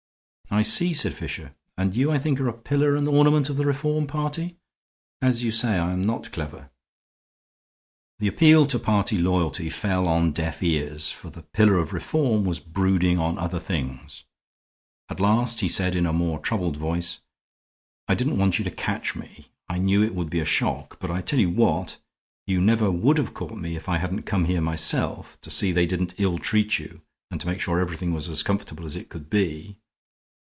"I see," said Fisher, "and you, I think, are a pillar and ornament of the Reform party. As you say, I am not clever." The appeal to party loyalty fell on deaf ears; for the pillar of Reform was brooding on other things. At last he said, in a more troubled voice: "I didn't want you to catch me; I knew it would be a shock. But I tell you what, you never would have caught me if I hadn't come here myself, to see they didn't ill treat you and to make sure everything was as comfortable as it could be."